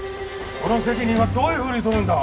この責任はどういうふうに取るんだ？